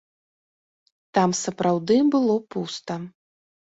Там сапраўды было пуста.